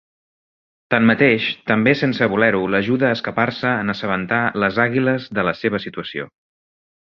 Tanmateix, també sense voler-ho l'ajuda a escapar-se en assabentar les àguiles de la seva situació.